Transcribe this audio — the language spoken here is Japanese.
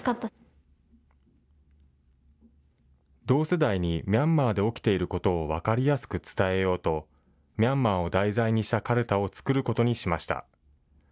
同世代にミャンマーで起きていることを分かりやすく伝えようとミャンマーを題材にしたかるたを作ることにしました。